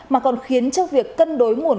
mà còn khiến cho việc cân đối nguồn